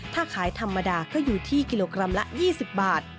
ถ้าขายธรรมดาก็อยู่ที่กิโลกรัมละ๒๐บาท